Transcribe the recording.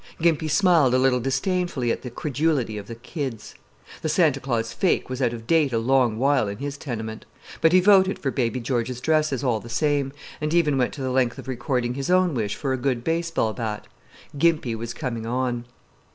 Gimpy smiled a little disdainfully at the credulity of the "kids." The Santa Claus fake was out of date a long while in his tenement. But he voted for baby George's dresses, all the same, and even went to the length of recording his own wish for a good baseball bat. Gimpy was coming on.